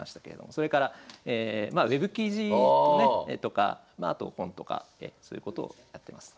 それからウェブ記事とねとかまああと本とかそういうことをやってます。